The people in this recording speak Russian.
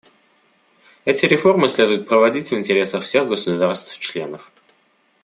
Эти реформы следует проводить в интересах всех государств-членов.